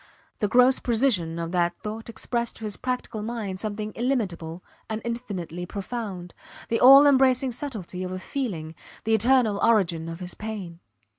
The gross precision of that thought expressed to his practical mind something illimitable and infinitely profound, the all embracing subtlety of a feeling, the eternal origin of his pain.